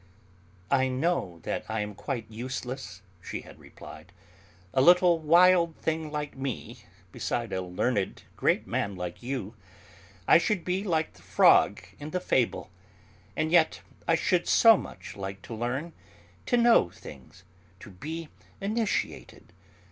"I know that I am quite useless," she had replied, "a little wild thing like me beside a learned great man like you. I should be like the frog in the fable! And yet I should so much like to learn, to know things, to be initiated.